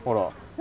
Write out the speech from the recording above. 何？